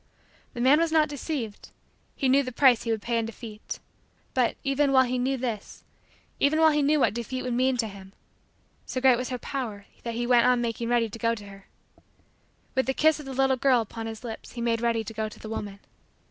The man was not deceived. He knew the price he would pay in defeat. But, even while he knew this even while he knew what defeat would mean to him, so great was her power that he went on making ready to go to her. With the kiss of the little girl upon his lips he made ready to go to the woman.